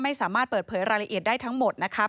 ไม่สามารถเปิดเผยรายละเอียดได้ทั้งหมดนะครับ